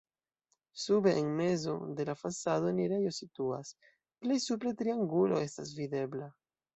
Sube en mezo de la fasado enirejo situas, plej supre triangulo estas videbla.